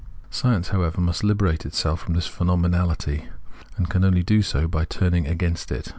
Science, however, must Kberate itself from this phenomenality, and it can only do so by turning against it.